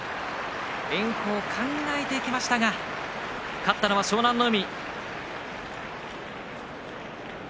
炎鵬、考えてきましたが勝ったのは湘南の海。